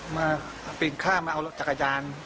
มาปีนข้ามมาเอารถจักรยาน